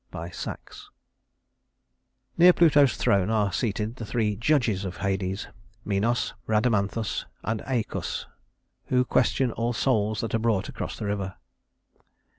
'" SAXE. Near Pluto's throne are seated the three judges of Hades (Minos, Rhadamanthus, and Æacus) who question all souls that are brought across the river.